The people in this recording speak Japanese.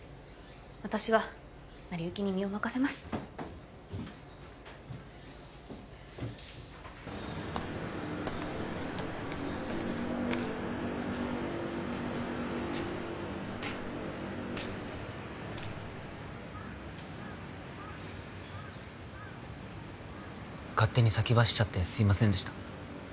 私は成り行きに身を任せます勝手に先走っちゃってすいませんでした